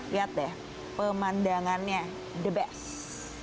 lihat deh pemandangannya the best